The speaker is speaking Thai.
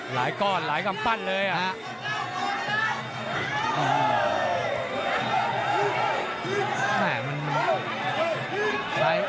หลายก้อนหลายคำปั้นเลย